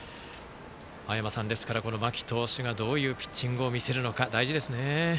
ですから、この間木投手がどういうピッチングを見せるのか大事ですね。